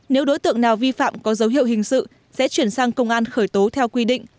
nếu đối tượng nào vi phạm có dấu hiệu hình sự sẽ chuyển sang công an khởi tố theo quy định